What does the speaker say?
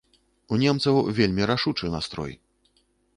У немцаў вельмі рашучы настрой.